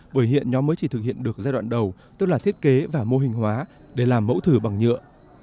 bởi hiện nhóm mới chỉ thực hiện được giai đoạn đầu tức là thiết kế và mô hình hóa để làm mẫu thử bằng nhựa